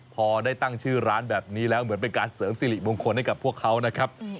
พอได้ตั้งชื่อร้านแบบนี้แล้วเหมือนเป็นการเสริมสิริมงคลให้กับพวกเขานะครับ